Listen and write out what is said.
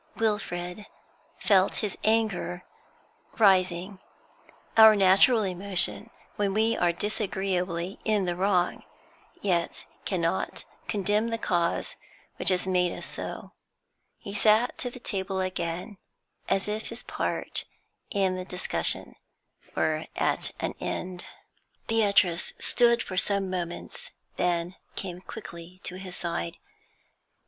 Wilfrid felt his anger rising our natural emotion when we are disagreeably in the wrong, yet cannot condemn the cause which has made us so. He sat to the table again, as if his part in the discussion were at an end. Beatrice stood for some moments, then came quickly to his side.